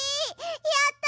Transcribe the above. やった！